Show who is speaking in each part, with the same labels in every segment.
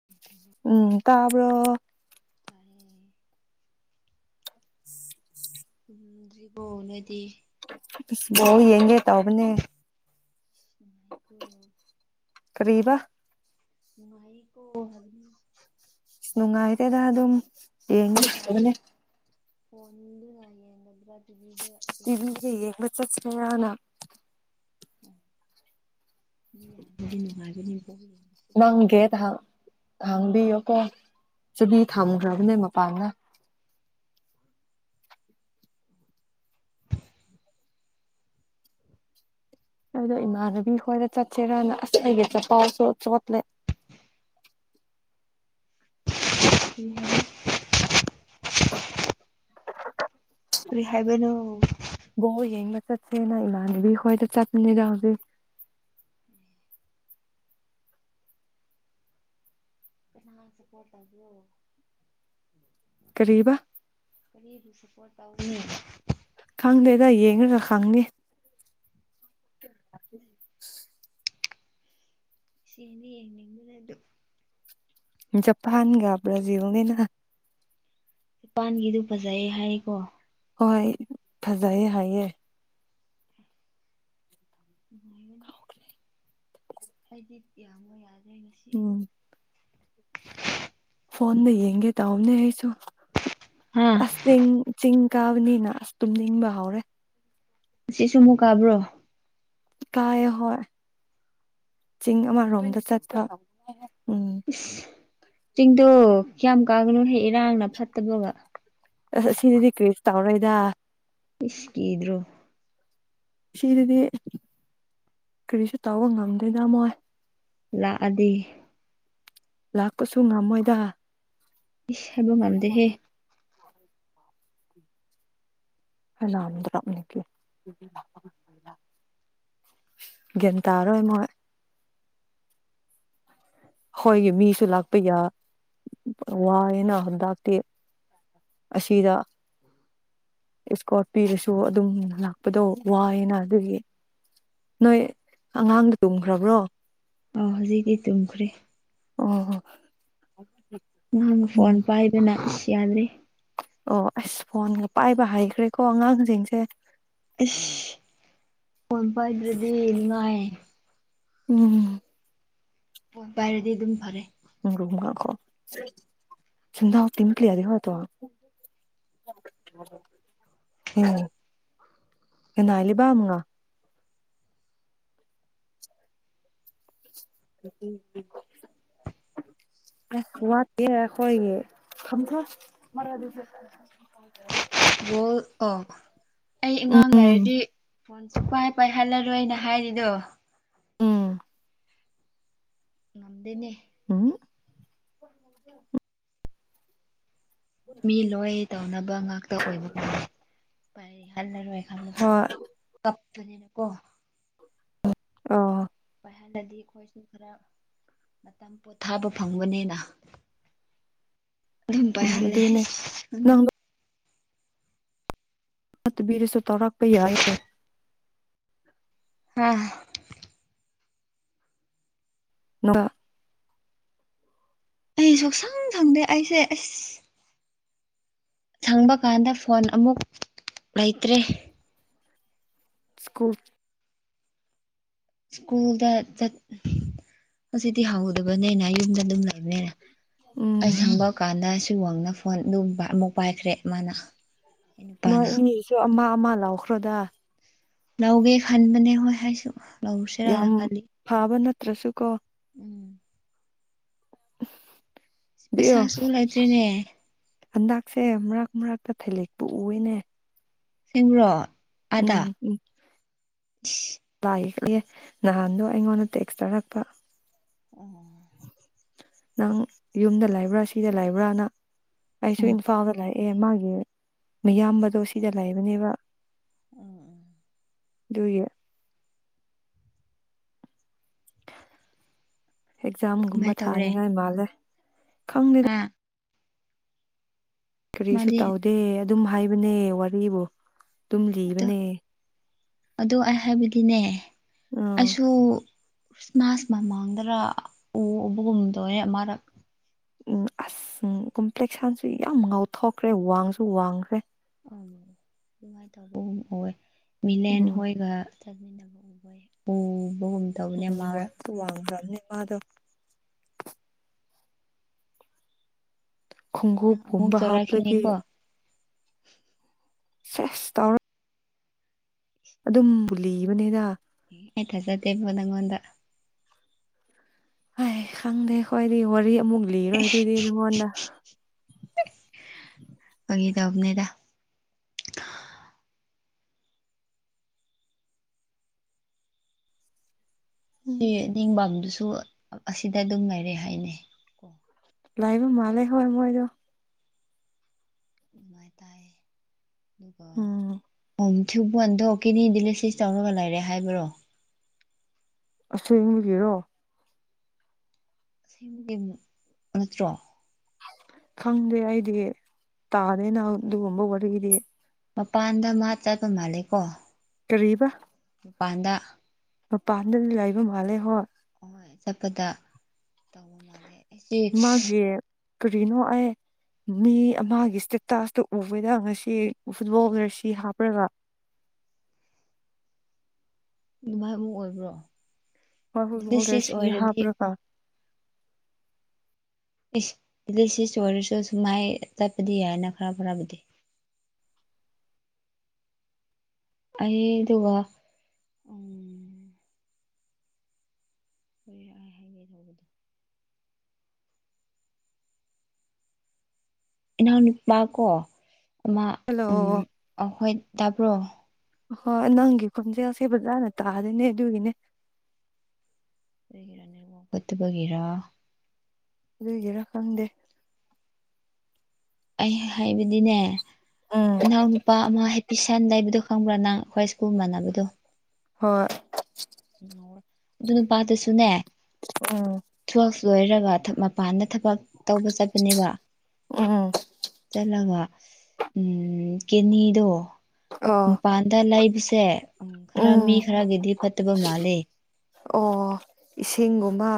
Speaker 1: [inaudible]
Speaker 2: ꯎꯝ ꯇꯥꯕ꯭ꯔꯣ
Speaker 1: [inaudible] ꯇꯨꯝꯗ꯭ꯔꯤꯕꯣ ꯅꯣꯢꯗꯤ
Speaker 2: ꯑꯁ ꯕꯣꯜ ꯌꯦꯡꯒꯦ ꯇꯧꯕꯅꯦ
Speaker 1: ꯎꯝ
Speaker 2: ꯀꯔꯤꯕ
Speaker 1: ꯃꯥꯏꯀꯣ ꯍꯟꯅꯤ
Speaker 2: ꯅꯨꯡꯉꯥꯏꯇꯦꯗ ꯑꯗꯨꯝ ꯌꯦꯡꯉꯅꯦ
Speaker 1: ꯕꯣꯟ ꯃꯤꯅ ꯌꯦꯡꯉꯛꯗ꯭ꯔꯥꯗꯤ ꯌꯤꯞ
Speaker 2: ꯇꯤꯕꯤꯒ ꯌꯦꯡꯕ ꯆꯠꯁꯤꯔꯅ
Speaker 1: ꯅꯨꯗꯤ ꯅꯨꯉꯥꯢꯕꯅꯤꯀꯣ ꯍꯌꯦ
Speaker 2: ꯅꯪꯒꯦꯠ ꯍꯥꯛ ꯍꯥꯡꯕꯤꯌꯣꯀꯣ ꯆꯨꯕꯤ ꯊꯝꯈ꯭ꯔꯕꯅꯦ ꯃꯄꯥꯟꯅ ꯅꯪꯗꯣ ꯏꯃꯥꯟꯅꯕꯤ ꯈꯣꯏꯗ ꯆꯠꯁꯦꯔꯅ ꯑꯁ ꯑꯩꯒ ꯆꯄꯥꯎꯁꯨ ꯆꯣꯠꯂꯦ
Speaker 1: [unintelligible] ꯀꯔꯤꯍꯥꯏꯕꯅꯣ
Speaker 2: ꯕꯣꯜ ꯌꯦꯡꯕ ꯆꯠꯄꯅꯤꯅ ꯏꯃꯗꯕꯤ ꯍꯣꯏꯗ ꯆꯠꯅꯤꯗꯥ ꯍꯧꯖꯤꯛ
Speaker 1: ꯃꯥꯖꯦ ꯑꯣꯐ ꯇꯧꯕꯤꯌꯣ
Speaker 2: ꯀꯔꯤꯕ
Speaker 1: ꯑꯅꯤꯕꯨ ꯁꯄꯣꯠ ꯇꯧꯅꯤ
Speaker 2: ꯈꯪꯗꯦꯗ ꯌꯦꯡꯉꯒ ꯈꯪꯅꯤ
Speaker 1: ꯁꯤꯗꯤ ꯌꯦꯡꯅꯤꯡꯗꯅ ꯑꯗꯨꯝ
Speaker 2: ꯖꯄꯥꯟꯒ ꯕ꯭ꯔꯥꯖꯤꯜꯅꯤꯅ
Speaker 1: ꯄꯥꯟꯒꯤꯗꯨ ꯐꯖꯩ ꯍꯥꯏꯀꯣ
Speaker 2: ꯍꯣꯏ ꯐꯖꯩꯌꯦ ꯍꯥꯏꯌꯦ
Speaker 1: [inaudible] ꯑꯩꯗꯤꯞ ꯌꯥꯝꯕ ꯌꯥꯗ꯭ꯔꯦꯅꯦꯁꯤ
Speaker 2: ꯇꯨꯎꯝ ꯐꯣꯟꯗ ꯌꯦꯡꯒꯦ ꯇꯧꯕꯥꯅꯦ ꯑꯩꯁꯨ
Speaker 1: ꯍꯥ
Speaker 2: ꯑꯁ ꯆꯤꯡ ꯆꯤꯡ ꯀꯥꯕꯅꯤꯅ ꯑꯁ ꯇꯨꯝ ꯅꯤꯡꯕ ꯍꯧꯔꯦ
Speaker 1: ꯁꯤꯁꯨ ꯑꯃꯨꯛ ꯀꯥꯕ꯭ꯔꯣ
Speaker 2: ꯇꯥꯌꯦ ꯍꯣꯏ ꯆꯤꯡ ꯑꯃꯔꯣꯝꯗ ꯆꯠꯄ ꯎꯝ
Speaker 1: ꯏꯁ ꯆꯤꯡꯗꯣ ꯌꯥꯝ ꯀꯥꯒꯅꯨꯍꯦꯛ ꯏꯔꯥꯡꯅ ꯐꯠꯇꯕꯒ
Speaker 2: ꯑꯁ ꯁꯤꯗꯥꯗꯤ ꯀ꯭ꯔꯤꯁꯨ ꯇꯧꯔꯣꯏꯗ
Speaker 1: ꯏꯁ ꯀꯤꯗ꯭ꯔꯣ
Speaker 2: ꯁꯤꯗꯗꯤ ꯀꯔꯤꯁꯨ ꯇꯧꯕ ꯉꯝꯗꯦꯗ ꯃꯣꯏ
Speaker 1: ꯂꯥꯛꯑꯗꯤ
Speaker 2: ꯂꯥꯛꯄꯁꯨ ꯉꯝꯃꯣꯏꯗ
Speaker 1: ꯏꯁ ꯍꯥꯏꯕ ꯉꯝꯗꯦꯍꯦ
Speaker 2: [unintelligible] [unintelligible] ꯍꯨꯝ ꯒ꯭ꯌꯥꯟ ꯇꯥꯔꯣꯏ ꯃꯣꯏ ꯍꯣꯏꯒꯤ ꯃꯤꯁꯨ ꯂꯥꯛꯄ ꯌꯥ ꯋꯥꯑꯦꯅ ꯍꯟꯗꯥꯛꯇꯤ ꯑꯁꯤꯗ ꯏꯁꯀꯣꯔ ꯄꯤꯔꯥꯁꯨ ꯑꯗꯨꯝ ꯂꯥꯛꯄꯗꯣ ꯋꯥꯏꯑꯅ ꯑꯗꯨꯒꯤ ꯅꯣꯏ ꯑꯉꯥꯡꯗꯨ ꯇꯨꯝꯈ꯭ꯔꯕ꯭ꯔꯣ
Speaker 1: ꯑ ꯍꯧꯖꯤꯛꯇꯤ ꯇꯨꯝꯈ꯭ꯔꯦ
Speaker 2: ꯑꯣ
Speaker 1: ꯅꯍꯥꯟ
Speaker 2: ꯎꯝ
Speaker 1: ꯐꯣꯟ ꯄꯥꯏꯗꯅ ꯏꯁ ꯌꯥꯗ꯭ꯦ
Speaker 2: ꯑꯣ ꯑꯁ ꯐꯣꯟꯒ ꯄꯥꯏꯕ ꯍꯈ꯭ꯔꯦꯀꯣ ꯑꯉꯥꯡꯁꯤꯡꯁꯦ
Speaker 1: ꯏꯁ ꯐꯣꯟ ꯄꯥꯏꯗ꯭ꯔꯗꯤ ꯅꯤꯉꯥꯏ
Speaker 2: ꯎꯝ
Speaker 1: ꯐꯣꯟ ꯄꯥꯏꯔꯗꯤ ꯑꯗꯨꯝ ꯐꯔꯦ
Speaker 2: [unintelligible] ꯎꯝ ꯂꯤꯕꯥꯝꯉ [unintelligible] [unintelligible] [unintelligible] ꯑꯥꯈꯣꯏꯒꯤ ꯊꯝꯈꯥꯑꯣ [unintelligible]
Speaker 1: ꯕꯣꯜ ꯑꯥ ꯑꯩ ꯑꯉꯥꯡ
Speaker 2: ꯎꯝ
Speaker 1: ꯂꯩꯔꯗꯤ ꯐꯣꯟ ꯁꯨꯄꯥꯏ ꯄꯥꯏꯍꯜꯂꯔꯣꯏꯅ ꯍꯥꯏꯔꯤꯗꯣ
Speaker 2: ꯎꯝ
Speaker 1: ꯉꯝꯗꯦꯅꯦ
Speaker 2: ꯎꯍꯨꯝ
Speaker 1: ꯃꯤ ꯂꯣꯏ ꯇꯧꯅꯕ ꯉꯥꯛꯇ ꯑꯣꯏꯕꯥ [unintelligible] ꯍꯜꯂꯔꯣꯏ ꯈꯜꯂꯁꯨ
Speaker 2: ꯍꯣꯏ
Speaker 1: ꯀꯞꯅꯤꯅ ꯀꯣ
Speaker 2: ꯑꯣ
Speaker 1: ꯄꯥꯏꯍꯟꯗꯗꯤ ꯑꯩꯈꯣꯏꯁꯨ ꯈꯔ ꯃꯇꯝ ꯄꯣꯊꯥꯕ ꯐꯪꯕꯥꯅꯤꯅ ꯑꯗꯨꯝ
Speaker 2: ꯎꯝ
Speaker 1: ꯄꯥꯏꯍꯜꯂꯦ
Speaker 2: ꯑꯗꯨꯅꯦ
Speaker 1: [unintelligible]
Speaker 2: ꯅꯪꯗꯣ ꯇꯨꯕꯤꯔꯁꯨ ꯇꯧꯔꯛꯄ ꯌꯥꯏꯌꯦ
Speaker 1: ꯑ
Speaker 2: ꯅ [unintelligible]
Speaker 1: ꯑꯩ ꯁꯣꯛꯁꯪ ꯁꯪꯗꯦ ꯑꯩꯁꯦ ꯑꯁ ꯁꯪꯕ ꯀꯥꯟꯗ ꯐꯣꯟ ꯑꯃꯨꯛ ꯂꯩꯇ꯭ꯔꯦ
Speaker 2: ꯀꯨ
Speaker 1: ꯁ꯭ꯀꯨꯜꯗ ꯆꯠ ꯍꯧꯗꯕꯅꯦꯅ ꯌꯨꯝꯗ ꯑꯗꯨꯝ ꯂꯩꯕꯅꯦꯅ
Speaker 2: ꯎꯝ
Speaker 1: ꯑꯩ ꯁꯪꯕ ꯀꯥꯟꯗ ꯁꯤ ꯋꯥꯪꯅ ꯐꯣꯟ ꯑꯗꯨ ꯑꯃꯨꯛ ꯄꯥꯏꯈ꯭ꯔꯦ ꯃꯥꯅ ꯑꯩ
Speaker 2: ꯅꯣꯏ
Speaker 1: ꯅꯨꯄꯥꯅ
Speaker 2: ꯑꯅꯤꯁꯨ ꯑꯃ ꯑꯃ ꯂꯥꯎꯈ꯭ꯔꯣꯗ
Speaker 1: ꯂꯧꯒꯦ ꯈꯟꯕꯅꯦ ꯍꯣꯏ ꯑꯩꯁꯨ ꯂꯧꯔꯨꯁꯤꯔꯥꯅ
Speaker 2: ꯌꯥꯝ
Speaker 1: ꯈꯜꯂꯤ
Speaker 2: ꯐꯕ ꯅꯠꯇ꯭ꯔꯁꯨ ꯀꯣ
Speaker 1: ꯎꯝ
Speaker 2: ꯣ
Speaker 1: ꯄꯩꯁꯥꯁꯨ ꯂꯩꯇ꯭ꯔꯦꯅꯦ
Speaker 2: [unintelligible] ꯍꯟꯗꯛꯁꯦ ꯃꯔꯛ ꯃꯔꯛꯇ ꯊꯩꯂꯦꯛꯄꯨ ꯎꯏꯅꯦ
Speaker 1: ꯑꯁꯦꯡꯕ꯭ꯔꯣ ꯑꯥꯗ
Speaker 2: ꯎꯝ ꯎꯝ ꯂꯥꯛ ꯌꯦꯛꯑꯦ ꯅꯍꯥꯟꯗꯣ ꯑꯩꯉꯣꯟꯗ ꯇꯦꯛꯁ ꯇꯧꯔꯛꯄ
Speaker 1: ꯎꯝ
Speaker 2: ꯅꯪ ꯌꯨꯝꯗ ꯂꯩꯕ꯭ꯔꯥ ꯁꯤꯗ ꯂꯩꯕ꯭ꯔꯥꯅ ꯑꯩꯁꯨ ꯏꯝꯐꯥꯜꯗ ꯂꯩ ꯑꯦ ꯃꯥꯒꯤ ꯃꯌꯥꯝꯕꯗꯣ ꯁꯤꯗ ꯂꯩꯕꯅꯦꯕ
Speaker 1: ꯎꯝ
Speaker 2: ꯑꯗꯨꯒꯤ
Speaker 1: ꯀꯃꯥꯏ
Speaker 2: ꯑꯦꯛꯖꯥꯝꯒꯨꯝꯕ ꯊꯥꯅꯤꯡꯉꯥꯏ ꯃꯥꯜꯂꯦ ꯈꯪꯗꯦ
Speaker 1: ꯑꯝ
Speaker 2: ꯀꯔꯤꯁꯨ
Speaker 1: ꯃꯥꯗꯤ
Speaker 2: ꯇꯧꯗꯦ ꯑꯗꯨꯝ ꯍꯥꯏꯕꯅꯦ ꯋꯥꯔꯤꯕꯨ ꯑꯗꯨꯝ
Speaker 1: ꯑꯗꯨ
Speaker 2: ꯂꯤꯕꯅꯦ
Speaker 1: ꯑꯗꯨ ꯑꯩ ꯍꯥꯏꯕꯗꯤꯅꯦ
Speaker 2: ꯎꯝ
Speaker 1: ꯑꯩꯁꯨ ꯈ꯭ꯔꯤꯁꯃꯥꯁ ꯃꯃꯥꯡꯗꯔ ꯎ ꯎꯕꯒꯨꯝ ꯇꯧꯋꯦ ꯑꯃꯔꯛ
Speaker 2: ꯎꯝ ꯑꯁ ꯀꯣꯝꯄ꯭ꯂꯦꯛꯁꯥꯟꯁꯨ ꯌꯥꯝ ꯉꯧꯊꯣꯛꯈ꯭ꯔꯦ ꯋꯥꯡꯁꯨ ꯋꯥꯡꯈ꯭ꯔꯦ
Speaker 1: ꯑ ꯅꯨꯡꯉꯥꯏꯅ ꯇꯧꯕꯒꯨꯝ ꯑꯣꯏꯋꯦ ꯃꯤꯂꯦꯟ
Speaker 2: ꯎꯝ
Speaker 1: ꯍꯣꯏꯒ ꯎ ꯎ [unintelligible] [unintelligible]
Speaker 2: ꯎꯝ ꯋꯥꯁꯨ ꯋꯥꯡꯈ꯭ꯔꯥꯕꯅꯦ ꯃꯥꯗꯣ
Speaker 1: ꯅꯪ ꯑꯃꯨꯛ
Speaker 2: ꯈꯣꯡꯎꯞꯀꯨꯝꯕ ꯍꯥꯞꯔꯗꯤ
Speaker 1: ꯆꯥꯎꯧꯔꯛꯈꯤꯅꯤꯀꯣ
Speaker 2: ꯁꯦꯁ ꯇꯧꯔꯣ ꯑꯗꯨꯝ ꯂꯤꯕꯅꯤꯗ
Speaker 1: ꯑꯩ ꯊꯥꯖꯗꯦꯕꯣ ꯅꯪꯉꯣꯟꯗ
Speaker 2: ꯑꯦ ꯈꯪꯗꯦ ꯈꯣꯢꯗꯤ ꯋꯥꯔꯤ ꯑꯃꯨꯛ ꯂꯤꯔꯣꯏ ꯑꯗꯨꯗꯤ ꯅꯪꯉꯣꯟꯗ
Speaker 1: ꯐꯒꯤ ꯇꯧꯕꯅꯦꯗ
Speaker 2: ꯎꯝ
Speaker 1: ꯁꯤ ꯅꯤꯡꯕꯥꯝꯗꯨꯁꯨ ꯑꯁꯤꯗ ꯑꯗꯨꯝ ꯂꯩꯔꯦ ꯍꯥꯏꯅꯦ
Speaker 2: ꯂꯥꯏꯕ ꯃꯥꯜꯦ ꯍꯣꯢ ꯃꯣꯏꯗꯣ
Speaker 1: ꯑꯗꯨꯃꯥꯏ ꯇꯥꯏ ꯑꯗꯨꯒ
Speaker 2: ꯎꯝ
Speaker 1: [unintelligible] [unintelligible] ꯇꯧꯔꯒ ꯂꯩꯔꯦ ꯍꯥꯏꯕ꯭ꯔꯣ
Speaker 2: ꯑꯁꯦꯡꯕꯒꯦꯔꯣ
Speaker 1: ꯑꯁꯦꯡꯕꯒꯤ ꯅꯠꯇ꯭ꯔꯣ
Speaker 2: ꯈꯪꯗꯦ ꯑꯩꯗꯤ ꯇꯥꯗꯦꯅ ꯑꯗꯨꯒꯨꯝꯕ ꯋꯥꯔꯤꯗꯤ
Speaker 1: ꯃꯄꯥꯟꯗ ꯃꯥ ꯆꯠꯕ ꯃꯥꯜꯂꯦ ꯀꯣ
Speaker 2: ꯀꯔꯤꯕ
Speaker 1: ꯃꯄꯥꯟꯗ
Speaker 2: ꯃꯄꯥꯟꯗ ꯂꯩꯕ ꯃꯥꯜꯂꯦ ꯍꯣꯏ
Speaker 1: ꯍꯣꯏ ꯆꯠꯄꯗ ꯇꯧꯕ ꯃꯥꯜꯂꯦ ꯑꯩꯁꯤ
Speaker 2: ꯃꯥꯒꯤ ꯀꯔꯤꯅꯣ ꯑꯩ ꯃꯤ ꯑꯃꯒꯤ ꯏꯁꯇꯦꯇꯥꯁꯇꯣ ꯎꯕꯗ ꯉꯁꯤ ꯐꯨꯜꯂꯣꯕꯂ꯭ꯔꯁꯤ ꯍꯥꯞꯄ꯭ꯔꯒ
Speaker 1: ꯑꯗꯨꯃꯥꯏ ꯑꯃꯨꯛ ꯑꯣꯏꯕ꯭ꯔꯣ
Speaker 2: ꯍꯣꯏ ꯐꯨꯠꯕꯣꯜ
Speaker 1: ꯗꯤꯂꯤꯁꯤꯁ
Speaker 2: ꯖꯔꯁꯤ
Speaker 1: ꯑꯣꯏꯔꯗꯤ
Speaker 2: ꯍꯥꯞꯄ꯭ꯔꯒ
Speaker 1: ꯏꯁ ꯗꯤꯂꯤꯁꯤꯁ ꯑꯣꯏꯔꯁꯨ ꯁꯨꯝꯃꯥꯏ ꯆꯠꯄꯗꯤ ꯌꯥꯏꯅ ꯈꯔ ꯈꯔꯕꯨꯗꯤ ꯑꯩ ꯗꯨꯒ [unintelligible] ꯍꯥꯏꯒꯦ ꯇꯧꯕꯗꯣ ꯏꯅꯥꯎ ꯅꯨꯄꯥ ꯀꯣ ꯑꯃ
Speaker 2: ꯍꯜꯂꯣ
Speaker 1: ꯎꯝ ꯑꯈꯣꯏ ꯇꯥꯕ꯭ꯔꯣ
Speaker 2: ꯍꯣꯏ ꯅꯪꯒꯤ ꯈꯣꯟꯖꯦꯜꯁꯦ ꯐꯖꯅ ꯇꯥꯗꯦꯅꯦ ꯑꯗꯨꯒꯤꯅꯦ
Speaker 1: ꯑꯩꯒꯤꯔ ꯅꯦꯠꯋꯥꯔꯛ ꯐꯠꯇꯕꯒꯤꯔꯥ
Speaker 2: ꯑꯗꯨꯒꯤꯔ ꯈꯪꯗꯦ
Speaker 1: ꯑꯩ ꯍꯥꯏꯕꯗꯤꯅꯦ
Speaker 2: ꯎꯝ
Speaker 1: ꯏꯅꯥꯎꯅꯨꯄꯥ ꯑꯃ ꯍꯥꯏꯄꯤꯁ ꯍꯦꯟ ꯂꯩꯕꯗꯣ ꯈꯪꯕ꯭ꯔꯥ ꯅꯪ ꯑꯈꯣꯏ ꯁ꯭ꯀꯨꯜ ꯃꯥꯟꯅꯕꯗꯣ
Speaker 2: ꯍꯣꯏ
Speaker 1: ꯑꯗꯨ ꯅꯨꯄꯥꯗꯨꯁꯨꯅꯦ
Speaker 2: ꯎꯝ
Speaker 1: ꯇꯨꯋꯦꯜꯐ ꯂꯣꯏꯔꯒ ꯃꯄꯥꯟꯗ ꯊꯕꯛ ꯇꯧꯕ ꯆꯠꯄꯅꯦꯕ
Speaker 2: ꯎꯝ
Speaker 1: ꯆꯠꯂꯒ ꯎꯝ ꯀꯦꯅꯤꯗꯣ
Speaker 2: ꯑꯣ
Speaker 1: ꯃꯄꯥꯟꯗ ꯂꯩꯕꯁꯦ ꯎꯝ ꯈꯔ ꯃꯤ
Speaker 2: ꯎꯝ
Speaker 1: ꯈꯔꯒꯤꯗꯤ ꯐꯠꯇꯕ ꯃꯥꯜꯂꯦ
Speaker 2: ꯑꯣ ꯏꯁꯤꯡꯒꯨꯝꯕ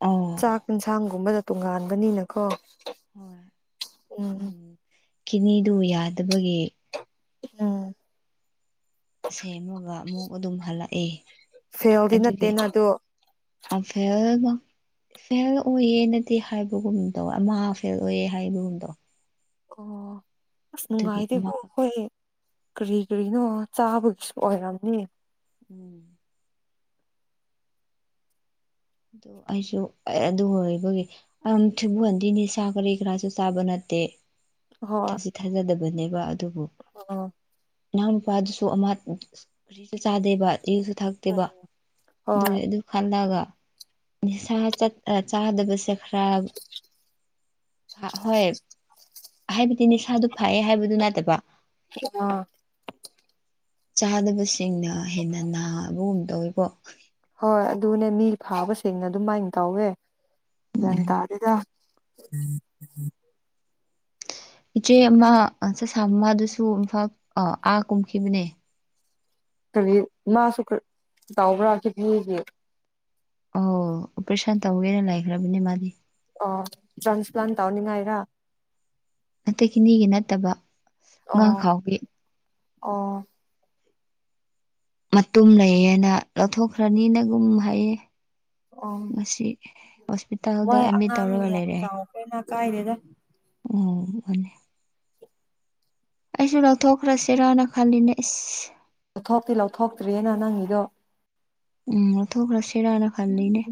Speaker 1: ꯑꯣ
Speaker 2: ꯆꯥꯛ ꯏꯟꯁꯥꯡꯒꯨꯝꯕꯗ ꯇꯣꯉꯥꯟꯒꯅꯤꯅꯀꯣ
Speaker 1: ꯍꯣꯏ
Speaker 2: ꯎꯝ
Speaker 1: ꯀꯤꯅꯤꯗꯨ ꯌꯥꯗꯕꯒꯤ
Speaker 2: ꯎꯝ
Speaker 1: ꯏꯁꯩ ꯑꯝꯃꯒ ꯑꯃꯨꯛ ꯑꯗꯨꯝ ꯍꯜꯂꯛꯑꯦ
Speaker 2: ꯐꯦꯜꯗꯤ ꯅꯠꯇꯦꯅ ꯑꯗꯨ
Speaker 1: ꯑ ꯐꯦꯜꯅ ꯐꯦꯜ ꯑꯣꯏꯌꯦꯅꯗꯤ ꯍꯥꯏꯕꯒꯨꯝ ꯇꯧꯋꯦ ꯑꯃ ꯐꯦꯜ ꯑꯣꯏꯌꯦ ꯍꯥꯏꯕꯒꯨꯝ ꯇꯧꯋꯦ
Speaker 2: ꯑꯣ ꯑꯁ
Speaker 1: ꯑꯗꯨꯒꯤ
Speaker 2: ꯅꯨꯡꯉꯥꯏꯇꯦꯀꯣ
Speaker 1: ꯑꯃꯈꯛ
Speaker 2: ꯑꯈꯣꯏꯒꯤ ꯀꯔꯤ ꯀꯔꯤꯅꯣ ꯆꯥꯕꯒꯤꯁꯨ ꯑꯣꯏꯔꯝꯅꯤ
Speaker 1: ꯎꯝ ꯑꯗꯨ ꯑꯩꯁꯨ ꯑꯗꯨ ꯋꯔꯤꯗꯨꯒꯤ ꯑꯝ ꯊꯔ꯭ꯤꯕꯨꯟꯗꯤ ꯅꯤꯁꯥ ꯀꯔꯤ ꯀꯥꯔꯁꯨ ꯆꯥꯕ ꯅꯠꯇꯦ
Speaker 2: ꯍꯣꯏ
Speaker 1: ꯊꯥꯁꯤ ꯊꯥꯖꯗꯕꯅꯦꯕ ꯑꯗꯨꯕꯨ
Speaker 2: ꯑ
Speaker 1: ꯏꯅꯥꯎ ꯅꯨꯄꯥꯗꯨꯁꯨ ꯑꯃ ꯀꯔꯤꯁꯨ ꯆꯥꯗꯦꯕ ꯌꯨꯁꯨ ꯊꯛꯇꯦꯕ
Speaker 2: ꯍꯣꯏ
Speaker 1: ꯑꯗꯨꯒꯤ ꯑꯗꯨ ꯈꯜꯂꯒ ꯅꯤꯁꯥ ꯆꯠ ꯑ ꯆꯥꯗꯕꯁꯦ ꯈꯔ ꯍꯣꯏ ꯍꯥꯏꯕꯗꯤ ꯅꯤꯁꯥꯗꯨ ꯐꯥꯏꯌꯦ ꯍꯥꯏꯕꯗꯨ ꯅꯠꯇꯕ
Speaker 2: ꯑ
Speaker 1: ꯆꯥꯗꯕꯁꯤꯡꯅ ꯍꯦꯟꯅ ꯅꯥꯕꯒꯨꯝ ꯇꯧꯋꯤꯀꯣ
Speaker 2: ꯍꯣꯏ ꯑꯗꯨꯅꯦ ꯃꯤ ꯐꯥꯕꯁꯤꯡꯅ ꯑꯗꯨꯃꯥꯏ ꯇꯧꯋꯦ ꯒ꯭ꯌꯥꯟ
Speaker 1: ꯎꯝ
Speaker 2: ꯇꯥꯥꯗꯦꯗ [unintelligible]
Speaker 1: ꯏꯆꯦ ꯑꯃ ꯑ ꯁ ꯁꯥꯃꯗꯨꯁꯨ ꯏꯝꯐꯥꯜ ꯑ ꯑꯥ ꯀꯨꯝꯈꯤꯕꯅꯦ
Speaker 2: ꯀꯔꯤ ꯃꯥꯥꯁꯨ ꯇꯧꯕ꯭ꯔꯥ ꯀꯤꯐꯦꯒꯤ
Speaker 1: ꯑꯣ ꯑꯣꯄꯔꯦꯁꯟ ꯇꯧꯋꯦꯅ ꯂꯩꯈ꯭ꯔꯕꯅꯦ ꯃꯥꯗꯤ
Speaker 2: ꯑꯣ ꯇ꯭ꯔꯥꯟꯁ ꯄ꯭ꯂꯥꯟ ꯇꯧꯅꯤꯡꯉꯥꯏꯔ
Speaker 1: ꯍꯟꯇꯛꯀꯤꯅꯤꯒꯤ ꯅꯠꯇꯕ ꯉꯥ
Speaker 2: ꯑꯣ
Speaker 1: ꯈꯥꯎꯒꯤ
Speaker 2: ꯑꯣ
Speaker 1: ꯃꯇꯨꯝ ꯂꯩꯌꯦꯅ ꯂꯧꯊꯣꯛꯈ꯭ꯔꯅꯤꯅꯒꯨꯝ ꯍꯥꯏꯌꯦ
Speaker 2: ꯑꯣ
Speaker 1: ꯑꯁꯤ ꯍꯣꯁꯄꯤꯇꯥꯜꯗ ꯑꯦꯗꯃꯤꯠ ꯇꯧꯔꯒ ꯂꯩꯔꯛꯑꯦ
Speaker 2: ꯀꯅ ꯀꯥꯏꯗꯦꯗ
Speaker 1: ꯑꯣꯅꯤ ꯑꯩꯁꯨ ꯂꯧꯊꯣꯛꯈ꯭ꯔꯁꯤꯔꯅ ꯈꯜꯂꯤꯅꯦ ꯏꯁ
Speaker 2: ꯂꯧꯊꯣꯛꯇꯤ ꯂꯧꯊꯣꯛꯇ꯭ꯔꯔꯤꯦꯅ ꯅꯪꯒꯤꯗꯣ
Speaker 1: ꯎꯝ ꯂꯧꯊꯣꯛꯈ꯭ꯔꯁꯤꯔꯥꯅ ꯈꯜꯂꯤꯅꯦ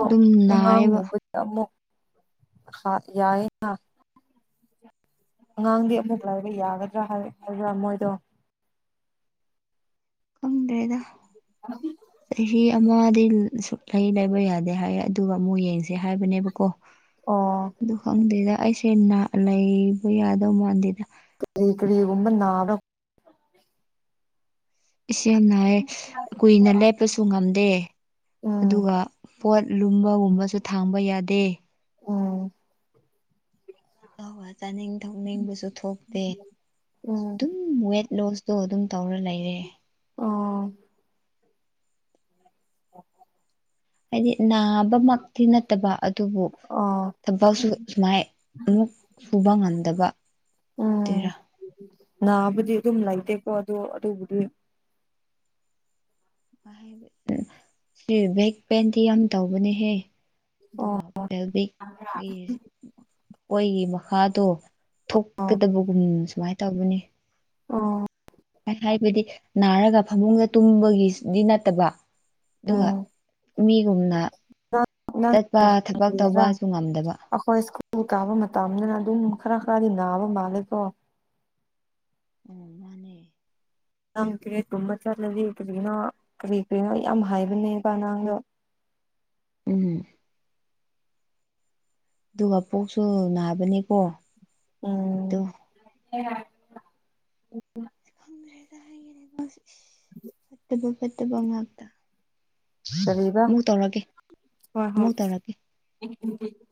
Speaker 1: ꯑꯗꯨꯝ ꯅꯥꯏꯌꯦꯕ
Speaker 2: ꯨ ꯍꯥ ꯌꯥꯏ ꯑꯉꯥꯡꯗꯤ ꯑꯃꯨꯛ ꯂꯥꯏꯕ ꯌꯥꯒꯗ꯭ꯔꯥ ꯍꯥꯏꯕ꯭ꯔꯥ ꯃꯣꯏꯗꯣ
Speaker 1: ꯈꯪꯗ꯭ꯔꯦꯗ ꯆꯍꯤ ꯑꯃꯗꯤ ꯁꯨꯛ ꯂꯩ ꯂꯩꯕ ꯌꯥꯗꯦ ꯍꯥꯏ ꯑꯗꯨꯒ ꯑꯃꯨꯛ ꯌꯦꯡꯁꯦ ꯍꯥꯏꯕꯅꯦꯕꯀꯣ
Speaker 2: ꯑꯣ
Speaker 1: ꯑꯗꯨ ꯈꯪꯗꯦꯗ ꯑꯩꯁꯦ ꯂꯩꯕ ꯌꯥꯗꯧ ꯃꯥꯟꯗꯦꯗ
Speaker 2: ꯀꯔꯤ ꯀꯔꯤꯒꯨꯝꯕ ꯅꯥꯕ꯭ꯔ
Speaker 1: ꯏ ꯁꯦ ꯅꯥꯏꯌꯦ ꯀꯨꯏꯅ ꯂꯦꯞꯄꯁꯨ ꯉꯝꯗꯦ
Speaker 2: ꯎꯝ
Speaker 1: ꯑꯗꯨꯒ ꯄꯣꯠ ꯂꯨꯝꯕꯒꯨꯝꯕꯁꯨ ꯊꯥꯡꯕ ꯌꯥꯗꯦ
Speaker 2: ꯎꯝ
Speaker 1: ꯑ ꯆꯥꯅꯤꯡ ꯊꯧꯅꯤꯡꯕꯁꯨ ꯊꯣꯛꯇꯦ
Speaker 2: ꯎꯝ
Speaker 1: ꯑꯗꯨꯝ ꯋꯦꯠ ꯂꯣꯁ ꯇꯣ ꯑꯗꯨꯝ ꯇꯧꯔ ꯂꯩꯔꯦ
Speaker 2: ꯑꯣ [unintelligible]
Speaker 1: ꯍꯥꯏꯗꯤ ꯅꯥꯕꯃꯛꯇꯤ ꯅꯠꯇꯕ ꯑꯗꯨꯕꯨ
Speaker 2: ꯑꯣ
Speaker 1: ꯊꯕꯛꯁꯨ ꯁꯨꯃꯥꯏ ꯑꯃꯨꯛ ꯁꯨꯕ ꯉꯝꯗꯕ ꯑꯗꯨꯔ
Speaker 2: ꯎꯝ ꯅꯥꯕꯨꯗꯤ ꯑꯗꯨꯝ ꯂꯩꯇꯦꯀꯣ ꯑꯗꯨꯣ ꯑꯗꯨꯕꯨꯗꯤ
Speaker 1: ꯁꯤ ꯕꯦꯛ ꯄꯦꯟꯗꯤ ꯌꯥꯝ ꯇꯧꯕꯅꯦꯍꯦ
Speaker 2: ꯑꯣ
Speaker 1: ꯑꯗꯨꯒ ꯕꯦꯜꯕꯤꯛ [unintelligible] ꯑꯣꯏꯒꯤ ꯃꯈꯥꯗꯣ ꯊꯣꯛꯀꯗꯕꯒꯨꯝ ꯁꯨꯃꯥꯏꯅ ꯇꯧꯕꯅꯤ
Speaker 2: ꯑꯣ
Speaker 1: ꯍꯥꯏꯕꯗꯤ ꯅꯥꯔꯒ ꯐꯃꯨꯡꯗ ꯇꯨꯝꯕꯒꯤꯗꯤ ꯅꯠꯇꯕ ꯑꯗꯨꯒ
Speaker 2: ꯎꯝ
Speaker 1: ꯃꯤꯒꯨꯝꯅ
Speaker 2: ꯅꯪ
Speaker 1: ꯆꯠꯄ ꯊꯕꯛ
Speaker 2: ꯀꯔꯤꯔꯥ
Speaker 1: ꯇꯧꯕꯁꯨ ꯉꯝꯗꯕ
Speaker 2: ꯑꯩꯈꯣꯏ ꯁ꯭ꯀꯨꯜ ꯀꯥꯕ ꯃꯇꯝꯗꯅ ꯑꯗꯨꯝ ꯈꯔ ꯈꯔꯗꯤ ꯅꯥꯕ ꯃꯥꯜꯂꯦꯀꯣ
Speaker 1: ꯎꯝ ꯃꯥꯅꯦ
Speaker 2: ꯌꯥꯝ ꯀ꯭ꯔꯤꯒꯨꯝꯕ ꯆꯠꯂꯗꯤ ꯀꯔꯤꯒꯤꯅꯣ ꯀꯔꯤ ꯀꯔꯤꯅꯣ ꯌꯥꯝ ꯍꯥꯏꯕꯅꯦꯕ ꯑꯉꯥꯡꯗꯣ
Speaker 1: ꯎꯝ ꯑꯗꯨꯒ ꯄꯣꯛꯁꯨ ꯅꯥꯕꯅꯦꯀꯣ
Speaker 2: ꯎꯝ
Speaker 1: ꯪ ꯐꯠꯇꯕ ꯐꯠꯇꯕ ꯉꯥꯛꯇ
Speaker 2: ꯀꯔꯤꯕ
Speaker 1: ꯑꯃꯨꯛ ꯇꯧꯔꯒꯦ
Speaker 2: ꯍꯣꯏ ꯍꯣꯏ
Speaker 1: ꯑꯃꯨꯛ ꯇꯧꯔꯒꯦ
Speaker 2: [unintelligible]